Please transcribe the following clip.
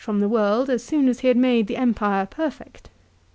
213 from the world, as soon as lie had made the Empire perfect.